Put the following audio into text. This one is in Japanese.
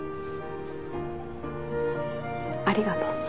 ありがとう。